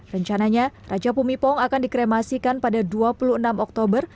rencananya raja pumipong akan dikremasikan pada dua puluh enam oktober